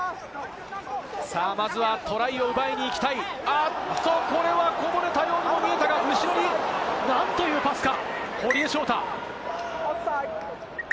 まずはトライを奪いに行きたい、あっと、これはこぼれたようにも見えたが後ろになんというパスか！